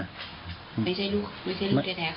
ไม่ใช่ลูกไม่ใช่ลูกแท้แท้ของ